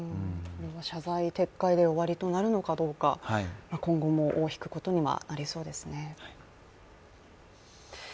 謝罪、撤回で終わりとなるのかどうか今後も尾を引くことにはなりそうですね。